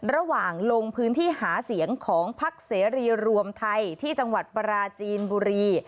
ลงพื้นที่หาเสียงของพักเสรีรวมไทยที่จังหวัดปราจีนบุรี